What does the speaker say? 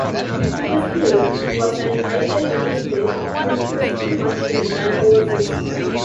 Distilling was an ideal industry with whisky much in demand overseas.